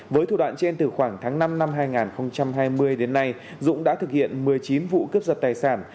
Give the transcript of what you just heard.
với thủ đoạn trên từ khoảng tháng năm năm hai nghìn hai mươi đến nay dũng đã thực hiện một mươi chín vụ cướp giật tài sản